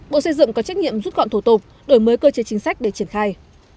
bộ xây dựng có trách nhiệm rút gọn thủ tục đổi mới cơ chế chính sách để triển khai